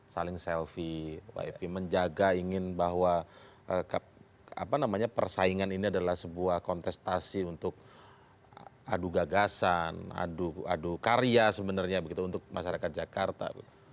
saling selfie menjaga ingin bahwa persaingan ini adalah sebuah kontestasi untuk adu gagasan adu karya sebenarnya begitu untuk masyarakat jakarta